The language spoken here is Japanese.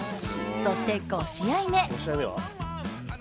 そして５試合目。